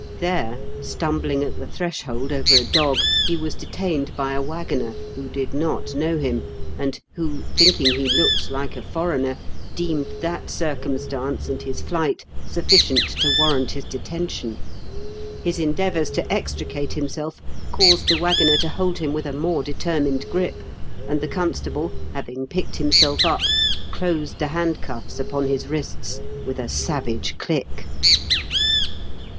There, stumbling at the threshold over a dog, he was detained by a waggoner who did not know him, and who, thinking he looked like a foreigner, deemed that circumstance and his flight suf ficient to warrant his detention. His endea vours to extricate himself caused the waggoner to hold him with a more determined grip, and the constable, having picked himself up, closed the handcuffs upon his wrists with a savage click.